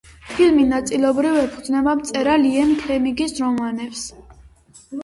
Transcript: ფილმი ნაწილობრივ ეფუძნება მწერალ იენ ფლემინგის რომანებს.